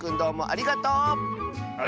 ありがとう！